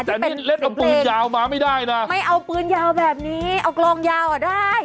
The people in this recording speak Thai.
แต่นี่เล่นเอาปืนยาวมาไม่ได้นะไม่เอาปืนยาวแบบนี้เอากลองยาวอ่ะได้